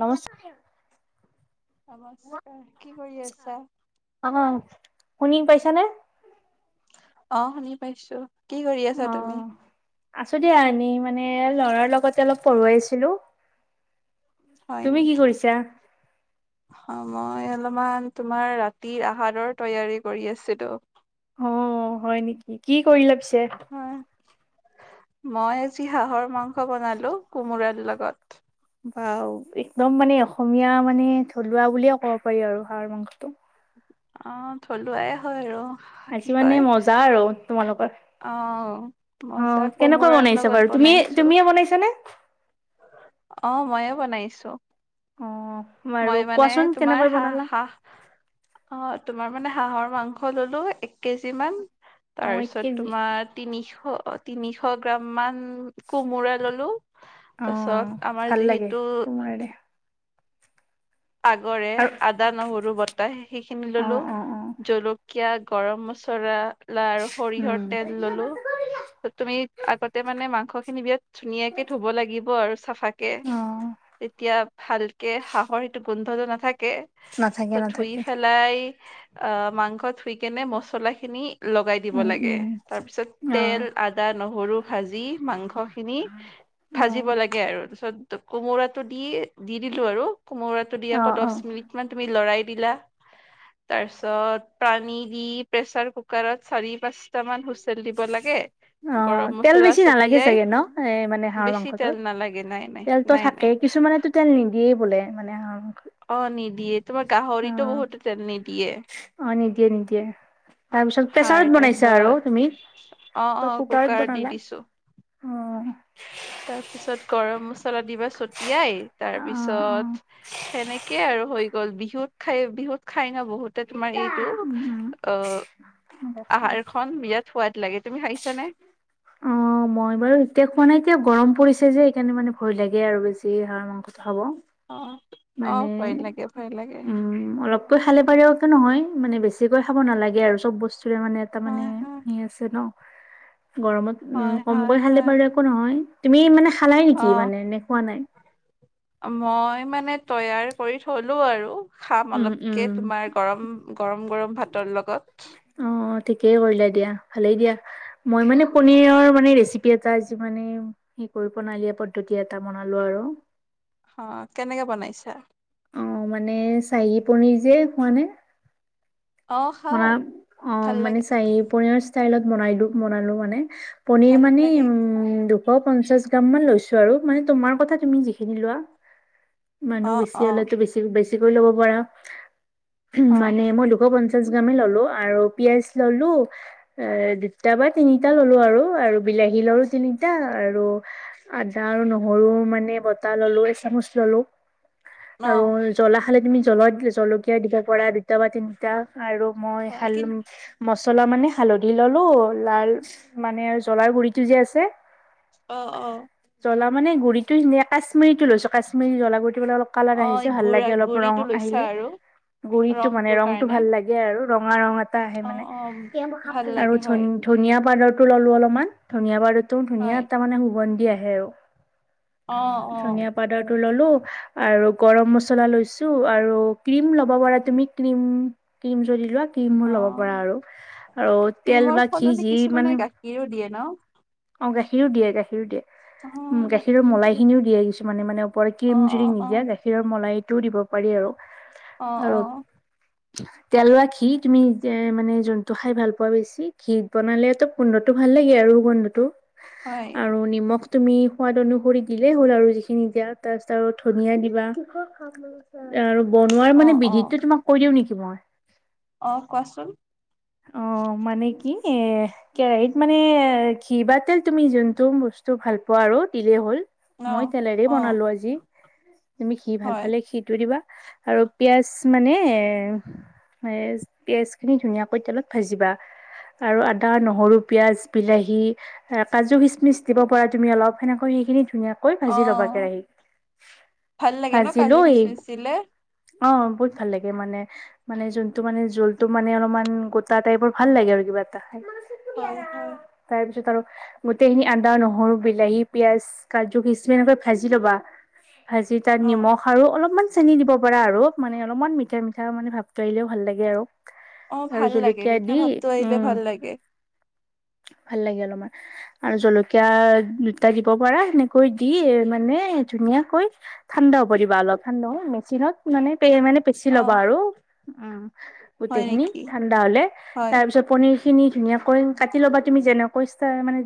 নমস্কাৰ। নমস্কাৰ কি কৰি আছা। অ শুনি পাইছা নে। অ শুনি পাইছোঁ। অ আছো দিয়া এনেই। [unintelligible] মানে ল'ৰাৰ লগতে অলপ পঢ়োৱাইছিলো। হয় নেকি সময় অলপ। অলপমান তোমাৰ ৰাতিৰ আহাৰৰ তৈয়াৰী কৰি আছিলোঁ। অ হয় নেকি কি কৰিলে পিছে। হয়। মই আজি হাঁহৰ মাংস বনালো কোমোৰাৰ লগত। বাও একদম মানে অসমীয়া মানে থলুৱা বুলিয়ে ক'ব পাৰি আৰু হাঁহৰ মাংসটো। অ থলুৱাই হয় আৰু। কি আজি মানে কয় মজা আৰু তোমালোকৰ। অ অ মজা কেনেকৈ কোমোৰাৰ বনাইছা লগত বাৰু তুমিয়ে বনাইছো তুমিয়ে বনাইছা নে। অ মইয়ে বনাইছোঁ। অ। বাৰু মই মানে কোৱাচোন তোমাৰ কেনেকৈ হাঁ বনালা হাঁহ অ। তোমাৰ মানে হাঁহৰ মাংস ল'লো এক কেজি মান। অ এক তাৰপিছত কেজি তোমাৰ তিনিশ তিনিশ গ্ৰাম মান। কোমোৰা ললো অ তাৰপিছত ভাল আমাৰ লাগে যিহেতু। কোমোৰাৰে আগৰে আৰু আদা নহৰু বতা সেইখিনি অ ল'লো অ অ জলক। কীয়া গৰম মচলা আৰ সৰিয়হৰ উম তেল ল'লো। তুমি আগতে মানে মাংস খিনি বিৰাট ধুনিয়াকে ধুব লাগিব আৰু। চাফাকে অ তেতিয়া ভালকে হাঁহৰ সেইটো গোন্ধটো নাথাকে। নাথাকে ধুই নাথাকে। পেলাই আহ মাংস ধুই কেনে মচলা খিনি। লগাই দিব উম লাগে উম। তাৰ পিছত তেল অ', আদা নহৰু ভাজি মাংস খিনি। ভাজিব অ', লাগে আৰু তাৰপিছত। কোমোৰাটো দি দি দিলো আৰু কোমোৰাটো দি আকৌ অ', অ', দহ মিনিট মান তুমি ল'ৰাই। বিলা তাৰপিছত পানী দি প্ৰেচাৰ কুকাৰত চাৰি পাঁচ। কইটামান হুইচেল দিব লাগে। অ', গৰম তেল মছলা বেছি নালাগে ছটিয়াই চাগে ন এ মানে হাঁহৰ বেছি তেল নালাগে নাই নাই নাই নাই। কিছুমানে তেল নিদিয়েই বোলে মানে। মাংসত অ নিদিয়ে তোমাৰ গাহৰিতো অ'। বহুতে তেল নিদিয়ে। অ নিদিয়ে নিদয়ে। তাৰপিছত হয় প্ৰেছাৰত বনাইছা তাৰপিছত আৰু তুমি কুকাৰত বনালা। অ', তাৰপিছত গৰম মছলা দিবা চট। তিয়াই তাৰ অ', অ', পিছত সেনেকে আৰু হৈ। গ'ল বিহুত খাই বিহুত খাই নহ বহুতে তোমাৰ এইটো উম উম। অ। আহাৰ খন বিৰাট সোৱাদ লাগে তুমি খাইছানে। অ মই বাৰু এতিয়া খোৱা নাই এতিয়া গৰম পৰিছে। যে এইকাৰণে মানে ভয় লাগে আৰু বেছি হাঁহ মাংসটো খাব। অ অ মানে ভয় লাগে ভয় লাগে উম অলপ। খালে পাৰও একে নহয় মানে বেছিকৈ খাব নালাগে আৰু চব বস্তু। মানে এটা মানে হয় হয় সেই আছে নহ। গৰমত উম, হয় হয় কমকৈ খালে হয় পাৰো একো নহয় তুমি মানে খালাই অ নেকি মানে না খোৱা নাই। মই মানে তৈয়াৰ কৰি থলো আৰু। খাম উম, অলপকে উম, তোমাৰ গৰম গৰম - গৰম ভাতৰ লগত। অ', ঠিকেই কৰিলা দিয়া ভালেই দিয়া মই মানে পনীৰৰ মানে ৰেচিপি এটা যি মানে পুৰ প্ৰণালী পদ্ধতি এটা বনালো আৰু। অ, কেনেকে বনাইছা। অ, মানে চাহি পনীৰ যে খোৱা নে। অ মানে খাও অ, ভাল মানে লাগে চাৰ পনীৰ ষ্টাইলত বনাই দিও বনালো মানে পনিৰ ভাল মানে লাগে দুশ পঞ্চাছ কটামান লৈছো আৰু মানে তোমাৰ কথা তুমি যিখিনি লোৱা। মানুহ অ বেছি অ হলেতো বেছি - বেছিকৈ ল'ব পাৰা অ', মানে মই দুশ পন ল'লো আৰু পিয়াজ ল'লো এ দুটা বা তিনিটা ল'লো আৰু- আৰু বিলাহী ললো তিনিটা আৰু আদা আৰু নহৰু মানে বতাহ ললো এচামুচ ললো। আৰু অ', জ্বলা খালে তুমি জ্বলা জলকীয়া দিবা পাৰা দুটা বা তিনিটা আৰু মই অ', হাল কিন ম জলা মানে হালধি ললো লাল মানে জ্বলাৰ গুৰিতটো যে আছে। অ - অ। জলা মানেুৰিটো কাশ্মী ৰিটো লৈছো কাশ্মিৰী জলা গুৰি অলপ কালাৰ অ', আহিছে এই ভাল গুৰা লাগে অলপ ৰং গুৰিটো লৈছা আহিলে আৰু গুৰিতটো মানে ৰংটোৰ ৰং টো কাৰণে ভাল লাগে। ৰঙা ৰং এটা আহে অ', মানে অ', স মোৰ ভাল আৰু লাগে হয়, ধনিয়া পাত [unintelligible] টো ললো অলপমান ধুনিয় বাৰুতো ধুনীয়া হয়, এটা মানে সুগন্ধি আহে আৰু। অ', অ', ধনিয় পাউাডাৰ টো ললো আৰু গৰম মছলা লৈছো আৰু আৰু ক্ৰীম ল'ব পাৰা তুমি ক্ৰিম ক্ৰিম যদি লোৱা। ক্ৰীম মো ল'ব পৰা অ', আৰু আৰু তেল বা ঘি যি মানে হেল্ল', অ, গাখীৰো দিয়ে - গাখীৰো দিয়ে। উম, গাখীৰৰ মলাই খিনিও দিয়ে কিছুমানে মানে মানে ওপৰত অ', ক্ৰীম জুৰি অ', নিদিয়া অ', গাখীৰৰ মলাই টো দিব পাৰি আৰু। অ - আৰু অ। তেল বা ঘি তুমি এ মানে জোনটো খাই ভাল পোৱা বেছি ঘি বনালে তো গুন্ধাটো ভাল ভাল লাগে আৰু গন্ধতটো হয়, আৰু নিমখ। তুমি সোৱাদ অনুসৰি দিলেই হ'ল আৰু যিখিনি দিয়া তাৰপিছত আৰু ধনিয়া দিবা। বনোৱাৰ মানে অ', অ', বিধিতটো তোমাক কৈ দিও নেকি মই। অ, কোৱাচোন। অ, মানে কি? এ কেৰাহীত মানে ঘি বা তেল তুমি যোনটো বস্তু ভাল পোৱা আৰু দিলেই হ'ল। মই অ', তেলেৰে অ', বনালো আজি তুমি ঘি ভাল হয়, পালে ঘিটো দিবা। আৰু পিয়াজ মানে এ পিয়াজ খিনি ধুনীয়া কৈতালত ভাজিবা। আৰু আদা নহৰু পিয়াজ বিলাহী কাজু খচমিচ দিব পাৰা তুমি অলপ সেনেকৈ সেইখিনি ধুনাকৈ ভাজি ল'বা অ', কেৰাহী ভাল লাগে ন কাজু ভাজিলৈ খিচমিচ দিলে? অ, বহুত ভাল লাগে মানে - মানে যোনটো মানে জোলটো মানে অলপমান গোটা টাইপৰ ভাল লাগে আৰু কিবা এটা হয়, হয়, তাৰপিছত আৰু [unintelligible] গোটেইখিনি আদা নহৰু বিলাহী পিয়াজ কাজু কিছুমান এনেকৈ ভাজি ল'বা। ভাজি তাত অ', নিমখ আৰু অলপমান চেনি দিব পাৰা আৰু মানে অলপমান মিঠা - মিঠা মানে ভাবটো আহিলেও ভাল লাগে আৰু। অ', আৰু ভাল লাগে জলকীয়া মিঠা দি ভাৱটো আহিলে উম, ভাল লাগে ভাল লাগিল অলমাৰ আৰু জলকীয়া দুটা দিব পাৰা সেনেকৈ দি মানে ধুনীয়াকৈ ঠান্দা হ'ব দিবা অলপ ঠান্দ হ মেচিনত মানে মানে পিচি ল'বা অ', আৰু উম হয় গোটেইখিনি নেকি? ঠাণ্ডা হলে হয়। তাৰ পিছত পনিৰ খিনি ধুনীয়াাকৈ কাটি ল'বা তুমি যেনেকৈা মানে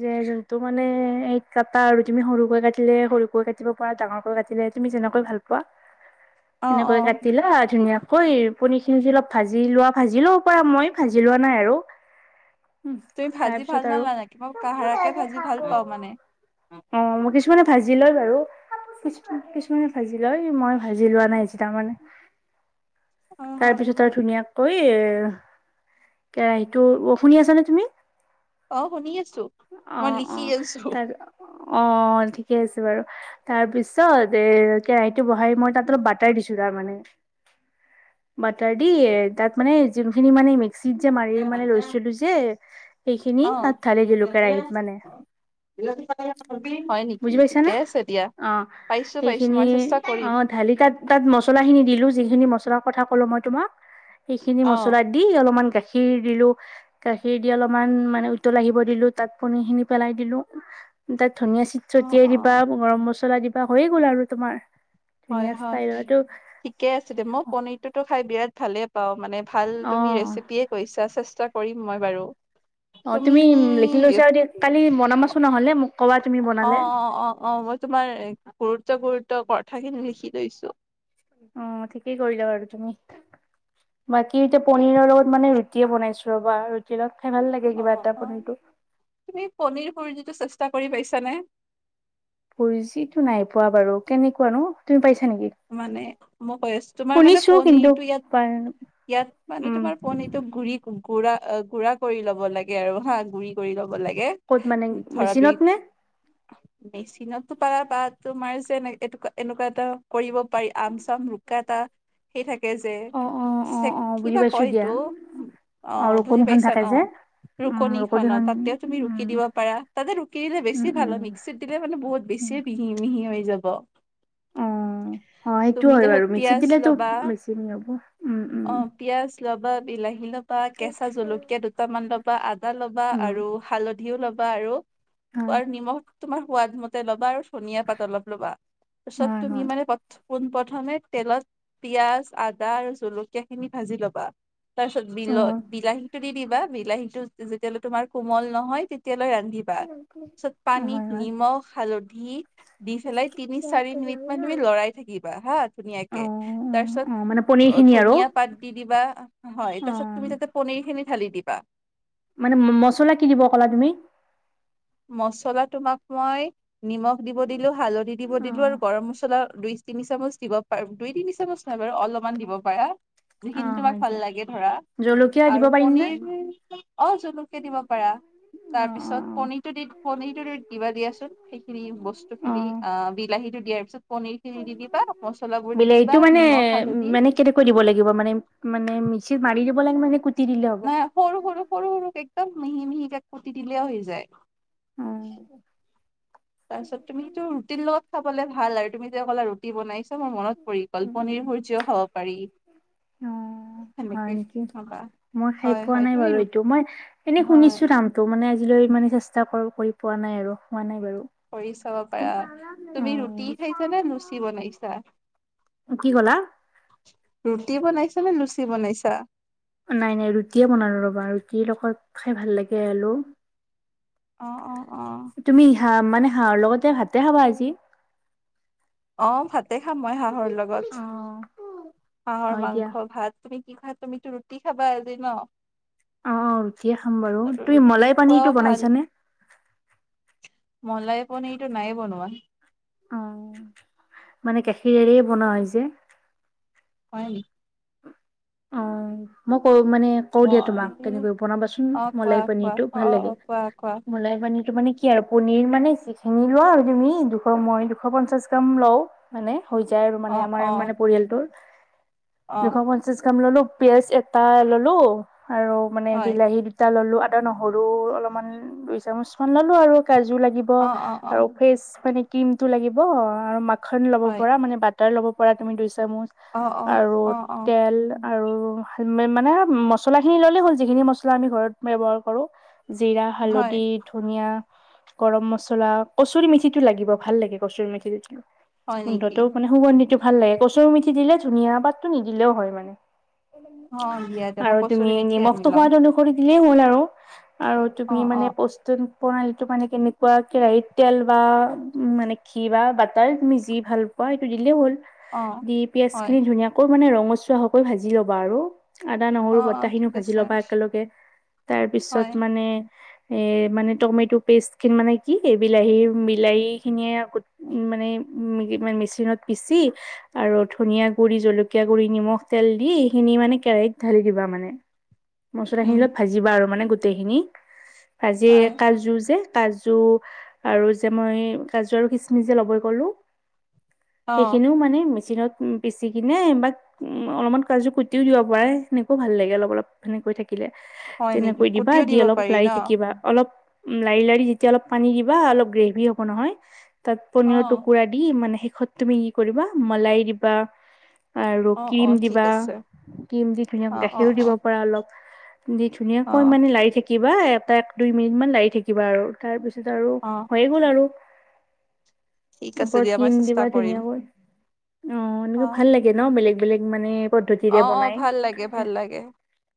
যে যোনটো মানে এই কটা আৰু তুমি সৰুকৈ কাটি ল সৰুকৈ কাটিব প পৰা ডাঙৰকৈ কাটিলে তুমি যেনেকৈ ভাল পোৱা অ অ এনেকৈ কাটিলা ধুনীয়া ঐ পনীৰ খিনিি অলপ ভাজি লোৱা ভাজি লব পাৰা মই ভাজি লোৱা নাই আৰু তুমি ভাজি ভাল তাৰপিছত আৰু নালাগে মই কাহাৰাকে ভাজি ভাল পাওঁ মানে অ ম কিছুমানে ভাজি লয় বাৰু কি কিছুমানে ভাজি ল মই ভাজি লোৱা নাই যে তাৰমানে অ তাৰ হয় পিছত আৰু হয় ধুনীয়াকৈ এ কেৰাহীতটো শুনি আছ নে অ শুনি আছো অ মই অ লিখি আছো তাৰ অ ঠিকে আছে বাৰু তাৰপিছত এ কেৰাহিটো বহাই মই তাত অলপ বাটাৰ দিছো আৰু তাৰ মানে বাটাৰ দি এ তাত মানে যোনখিনি মানে মিক্সিত যে মাৰি মানে ৰৈলো যে সেইখিনি অ তাত থালে জ লোকেৰাহত মানে হয় নেকি বুজি ঠিকে পাইছাানে আছে দিয়া অ পাইছো পাইছো সেইখিনি মই চেষ্টা কৰিম অ ঢালি তাত তাত মছলাখিনি দিলোঁ যিখিনি মছলা কথা কলো মই তোমাক সেইখিনি অ মছলা দি অলপমান গাখীৰ দিলো গা খে দি অলপমান মানে উতল আহিব দিলো তাত পনী খিনি পেলাই দিলো তাত ধনীয়া চিট অ ছটিয়াই অ দিবা গৰম মছলা দিবা হৈয়ে গ'ল আৰু তোমাৰ হয় ধুনীয়া হয় ষ্টাইলতো ঠিকে আছে দে মই পনিৰটোতো খাই বিৰাট ভালে পাওঁ মানে ভাল অ তুমি ৰেচিপিয়ে কৈছা চেষ্টা কৰিম মই বাৰু অ তুমি লিখি লৈছা আৰু কালি মনামাছোন নহলে মোক ক'বা তুমি অ বনালে অ অ অ মই তোমাৰ গুৰুত্ব গুৰুত্ব কথাখিনি লিখি লৈছো অ ঠিকেই কৰিলা আৰু তুমি বাকী এতিয়া পনিৰৰ লগত মানে ৰুটিয়ে বনাইছো ৰ'বা ৰুটিৰ লগত খাই ভাল লাগে অ কিবা এটা অ পনীৰটো তুমি পনিৰ সুৰি যিটো চেষ্টা কৰি পাইছানে পু যিতো নাই পোৱা বাৰু কেনেকুৱা নো তুমি পাইছা নেকি মানে বয় তোমাৰ মানে শুনিছো কিন্তু পনীৰটো ইয়াত ইয়াত মানে উম তোমাৰ পনীৰটোো ঘুৰি কম গুৰা গুৰা কৰি ল'ব লাগে আৰু হা গুৰি কৰি ল'ব লাগে ক'ত মানে ধৰা দুই মেচিনত নে মেচিনতো পালা বা তোমাৰ যে এ এ এনেকুৱা এটা কৰিব পাৰি আম চাম ৰুকা এটা সেই থাকে যে অ অ অ চ অ বুজি কিবা পাইছো কয় দিয়া সেইটো অ অ বুজি ৰুকনিখন পাইছা থাকে ন যে উম ৰুকনি খনত ৰুকনিখন তাতেও তুমি উম ৰুকি দিব পা তাতে ৰুকি দিলে উম বেছি ভাল হয় উম মিক্সিত দিলে মানে বহুত বেছি উম প মিহি মিহি হৈ যাব অ অ সেইটো তুমি হয় তখত বাৰু মিক্সিত পিয়াজ দিলেতো লবা বেছি হেৰি হ'ব উম উম অ পিয়াজ ল'বা বিলাহী ল'বা কেঁচা জলকীয়া দুটামান ল'বা আদা ল'বা উম আৰু হালধি দিিও ল'বা আৰু হয় আৰু নিমখ তোমাৰ সাদ মতে ল'বা আৰু ধনিয়া পাত অলপ ল'বা তাৰপিছত হয় তুমি হয় মানে প পোনপ্ৰথমে তেলত পিয়ঁয়াজ আদা আৰু জলকীয়া খিনি ভাজি ল'বা তাৰপিছত অ বিলত বিলাহীতটো দি দিবা বিলাহীতটো যেতিয়াললে তোমাৰ কোমল নহয় তেতিয়া লৈ ৰান্ধিবা তাৰপিছত হয় পানীত হয় নিমখ হালধি দি পেলাই তিনি চাৰি মিনিট মান তুমি লৰাই থাকিবা হা অ অ ধুনীয়াকে তাৰপিছত অ মানে পনিৰ খিনি আৰু ধনিয়া পাত দি দিবা হয় অ তাৰছত তুমি যাতে পনিৰ খিনি ঢালি দিবা মানে মচলা কি দিব ক'লা তুমি মছলা তোমাক মই নিমখ দিব দিলো হালধি দিব অ দিলো আৰু গৰম মছলাই তিনি চামুচ দিব প দুই তিনি চামুচ নহয় বাৰু অলপমান দিব পাৰা অ হয় দিয়া [unintelligible] জলকীয়া দিব আৰু পাৰিম নে পনিৰ অ জলকীয়া দিব পাৰা অ অ তাৰপিছত পনিৰ পনীৰ টো ত কিবা দিয়াচোন সেইখিনি বস্তু খিনি অ বিলাহীতো দিয়াৰ পিছত পনিৰ খিনি দি দিবা মচলা বোৰ দি বিলাহীটো দিবা মানে নিমখ হালধি মানে কেনেকৈ দিব লাগিব মানে মানে মিকচিত মাৰি দিব লাগে মানে দিলে হ'ব অ নাই সৰু সৰু সৰু সৰুক একদম মিহি মিহিকাক কুতি দিলে হৈ যায় উম তাৰপিছত তুমিটো ৰুটিৰ লগত খাবলে ভাল আৰু তুমি যে অলা ৰুটি বনাইছা মোৰ মনত পৰি উম উম পনিৰ সূৰ্যও খাব পাৰি অ হয় সেনেকে নেকি ভাবা মই খাই হয় পোৱা হয় নাই তুমি বাৰু ৰু এইটো মই এনেই হয় শুনিছো নামটো মানে আজিলৈ ইমাপে চেষ্টা কৰি পোৱা নাই আৰু হোৱা নাই বাৰু কৰি চাব পাৰা তুমি ৰুটি খাইছা নে লুচি বনাইছা অ কি ক'লা ৰুটি বনাইছা নে লুচি বনাইছা নাই নাই ৰুটিয়ে বনালো ৰ'বা ৰুটিৰ লগত খাই ভাল লাগে আৰু অ অ অ হা মানে হাঁহৰ লগতে ভাতে খাবা আজি অ ভাতে খাম মই হাঁহৰ লগত অ হাঁহৰ হয় দিয়া মাংস ভাত তুমি কি হয় তুমিতো ৰুটি খাবা আজি ন অ অ ৰুটিয়ে খাম বাৰু তুমি ৰুটি মলাই খোৱাও পানীৰটো ভাল বনাইছানে মলাইই পনীটো নাই বনোৱা অ মানে গাখীৰে বনোৱা হয় যে হয় অ মই কৰো মানে কও দিয়া মই তোমাক তেনেকৈ বনাবাচোন অ কোৱা মলাই কোৱা পানীৰটো অ ভাল লাগে অ কোৱা কোৱা মলাই পানীৰটো মানে কি আৰু পনীৰ মানে যিখিনি লোৱা আৰু তুমি দুশ মই দুশ পঞ্চাশ গ্ৰাম লও মানে হৈ যায় আৰু মানে অ', আমাৰ অ', মানে পৰিয়ালটোৰ দুশ অ', পঞ্চাশ গ্ৰাম ললো পিয়াজ এটা ললো আৰু মানে হয়, বিলাহী দুটা ললো আদা নহৰু অলপমান দুই চামুচ মান ললো আৰু কাজু লাগিব অ', অ', আৰু অ', ফেচ মানে ক্ৰীম টো লাগিব আৰু মাক মাখন ল'ব হয়, পৰা মানে বাটাৰ ল'ব পৰা তুমি দুই চামুচ অ', অ', আৰু অ', অ', তেল আৰু মানে মছলা খিনি ললেই হ'ল যিখিনি মছলা আমি ঘৰত ব্যৱহাৰ কৰো জিৰা হয়, হালধি ধনিয়া গৰম মছলা কচৰি মেথিটো লাগিব ভাল লাগে কচুৰি মেথিটো হয় নেকি? গোন্ধটো মানে সুগন্ধিটো ভাল লাগে কচুৰ মিঠি দিলে ধুনীয়া পাতটো নি দিলেও হয় মানে অ', দিয়া দিয়া মই আৰু কচুৰি তুমি মেথি আনি নিমখটো ল'ম, সোৱাদ অনুসৰি এনে হ'ল আৰু আৰু তুমি অ', মানে অ', প্ৰস্তুত প্ৰণালীটো মানে কেনেকুৱা কেৰাহীত তেল বা উ মানে ঘি বা বাটাৰ মিজি ভাল অ এইটো দিলেই হ'ল অ'। দি পিয়াজ হয়, খিনি ধুনীয়াকৈ মানে ৰঙচুৱা হকৈ ভাজি ল'বা আৰু আদা অ', নহৰু অ', বতাহখিনিও ঠিক ভাজি আছে, ল'বা একেলগে তাৰ পিছত হয়, মানে এৰ মানে টমেট পেষ্ট খিন মানে কি এই বিলাহী বিলাহী খিনিয়ে আগত মানে মানে মেচিনত পিচি আৰু ধনিয়া গুৰি জলকীয়া জলকীয়া গুৰি নিমখ তেল দি এইখিনি মানে কেৰাহীত ঢালি দিবা মানে মচলা খিনি উম, অলপ ভাজিবা আৰু মানে গোটেইখিনি ভাজি হয়, কাজো যে কাজু আৰু যে মই কাজু আৰু কিচমিচে ল'বই গলো অ'। সেইখিনিও মানে মেচিনত পিচি কিনে বা উম অলপমান কাজু কুটিও দিব পাৰে সেনেকেও ভাল লাগে অলপ অলপ সেনেকৈ থাক থাকিলে হয় নেকি? তেনেকৈ দিবা কুটিও দি দিব অলপ পাৰি ওলাৰি ন? থাকিবা অলপ উ লাৰি লাৰি যেতিয়া অলপ পানী দিবা অলপ গ্ৰেভি হ'ব নহয় তাত পনীৰৰ অ', টুকুৰা দি মানে ত তুমি কি কৰিবা মলাই দিবা আৰু অ', অ', ক্ৰীম ঠিক দিবা আছে, ক্ৰীম দি ধুনীয়া অ', অ', গাখীৰো দিব অ', পাৰা অলপ দি ধুনীয়াকৈ অ', মানে লাৰি থিবা এটা এক দুই মিনিট মমান লাগি থাকিবা আৰু তাৰ পিছত আৰু অ', হৈয়ে গ'ল আৰু ঠিক আছে ওপৰত দিয়া মই স্কিম চেষ্টা দিবা কৰিম, ধুনীয়াকৈ অ এনেকা অ', ভাল লাগে ন বেলেগ বেলেগ মানে পদ্ধতিৰে অ', অ', বনাই, ভাল লাগে, ভাল লাগে,